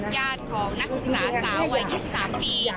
ญาติของนักศึกษาสาววัย๒๓ปี